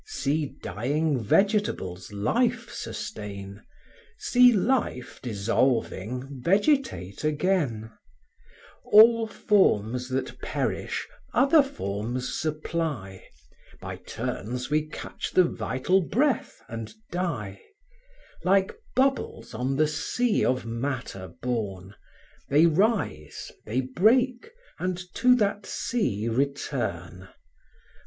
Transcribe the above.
See dying vegetables life sustain, See life dissolving vegetate again: All forms that perish other forms supply (By turns we catch the vital breath, and die), Like bubbles on the sea of matter borne, They rise, they break, and to that sea return.